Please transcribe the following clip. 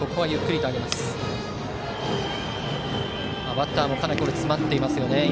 バッターもかなり詰まっています。